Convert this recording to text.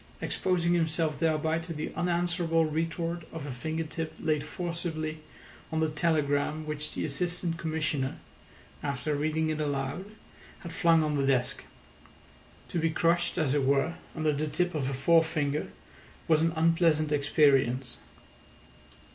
exposing himself thereby to the unanswerable retort of a finger tip laid forcibly on the telegram which the Assistant Commissioner, after reading it aloud, had flung on the desk. To be crushed, as it were, under the tip of a forefinger was an unpleasant experience.